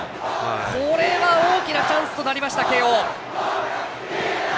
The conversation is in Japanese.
これは大きなチャンスとなりました、慶応。